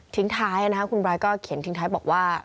ทิ้งท้ายคุณไบร์ก็เขียนทิ้งท้ายบอกว่า